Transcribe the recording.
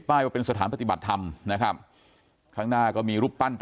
ว่าเป็นสถานปฏิบัติธรรมนะครับข้างหน้าก็มีรูปปั้น